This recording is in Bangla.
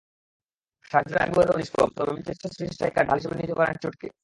সার্জিও আগুয়েরোও নিষ্প্রভ, তবে ম্যানচেস্টার সিটির স্ট্রাইকার ঢাল হিসেবে নিতে পারেন চোটকে।